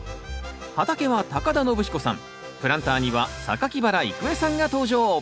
畑は田延彦さんプランターには原郁恵さんが登場。